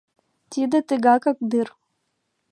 — Тиде тыгакак дыр.